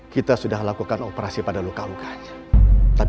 kita sudah lakukan operasi pada luka lukanya